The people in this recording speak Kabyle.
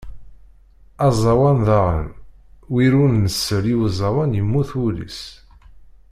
Aẓawan daɣen win ur nsell i uẓawan yemmut wul-is.